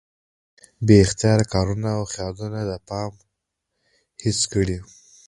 بې اختياره کارونه او خيالونه د پامه هېڅ کړي